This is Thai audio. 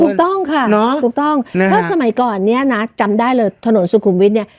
ถูกต้องค่ะถูกต้องเพราะสมัยก่อนเนี่ยนะจำได้เลยถนนสุขุมวิทย์เนี่ย